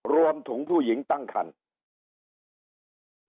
รวมถุงผู้หญิงตั้งครรภ์